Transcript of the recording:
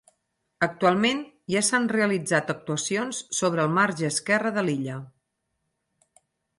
Actualment ja s’han realitzat actuacions sobre el marge esquerre de l’illa.